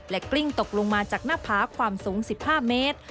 กลิ้งตกลงมาจากหน้าผาความสูง๑๕เมตร